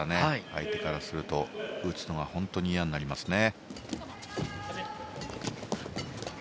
相手からすると打つのが本当に嫌になりますね。